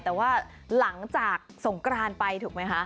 แต่ว่าหลังจากสงกราญไปถูกมั๊ยครับ